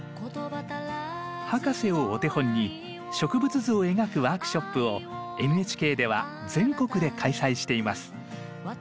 博士をお手本に植物図を描くワークショップをＮＨＫでは全国で開催しています。